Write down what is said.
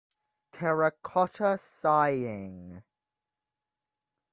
Terracotta Sighing